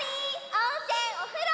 おんせんおふろ！